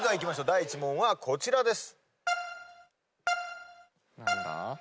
第１問はこちらです。